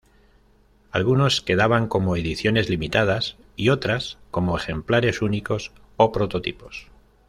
Algunos quedaban como ediciones limitadas, y otras como ejemplares únicos o prototipos.